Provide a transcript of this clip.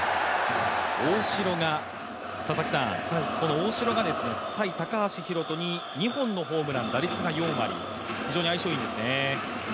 この大城が対高橋宏斗に２本のホームラン、打率が４割非常に相性がいいんですよね。